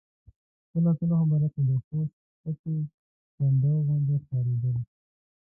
کله کله خو به راته د خوست سټې کنډاو غوندې ښکارېدل.